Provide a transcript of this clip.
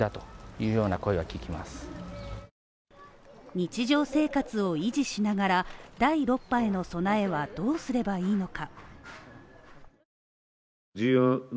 日常生活を維持しながら、第６波への備えはどうすればいいのか。